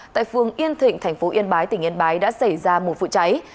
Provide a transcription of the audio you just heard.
tại phường yên thịnh thành phố yên bái tỉnh yên bái đã xảy ra một vụ cháy